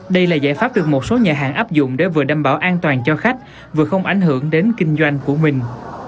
đây là giải pháp được một số nhà hàng áp dụng để vừa đảm bảo an toàn cho khách vừa không ảnh hưởng đến kinh doanh của mình